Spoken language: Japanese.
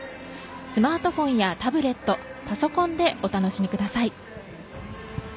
スマートフォンやタブレットパソコンでお楽しみください。